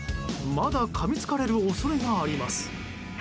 まだかみつかれる恐れがあります。